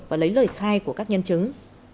và lấy lời khai của các nhân chứng